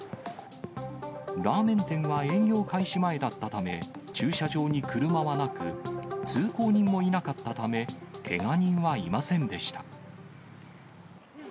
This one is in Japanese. ラーメン店は営業開始前だったため、駐車場に車はなく、通行人もいなかったため、けが人はいませんでした。